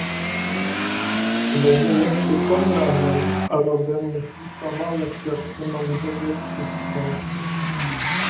Quinn je přitom raněn a Robin musí sama letět i nouzově přistát.